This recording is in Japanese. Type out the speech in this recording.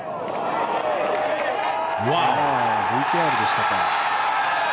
ＶＴＲでしたか。